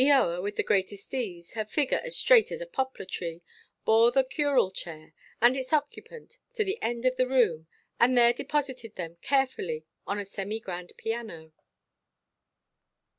Eoa, with the greatest ease, her figure as straight as a poplar–tree, bore the curule chair and its occupant to the end of the room, and there deposited them carefully on a semi–grand piano.